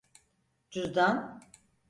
Cüzdan…